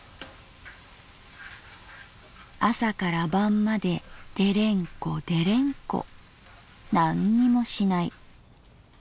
「朝から晩までデレンコデレンコ―――なんにもしない。